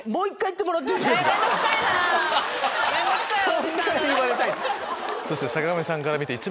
そんなに言われたいの⁉